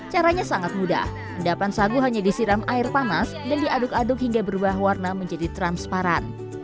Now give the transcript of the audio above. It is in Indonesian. caranya sangat mudah endapan sagu hanya disiram air panas dan diaduk aduk hingga berubah warna menjadi transparan